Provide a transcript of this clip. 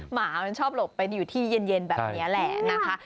หมามันชอบหลบไปอยู่ที่เย็นแบบนี้แหละนะคะ